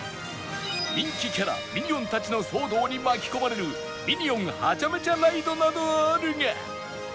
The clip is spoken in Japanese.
人気キャラミニオンたちの騒動に巻き込まれるミニオン・ハチャメチャ・ライドなどあるが